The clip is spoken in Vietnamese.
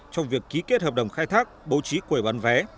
trong việc ký kết hợp đồng khai thác bố trí quầy bán vé